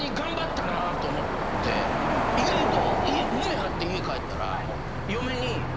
意外と。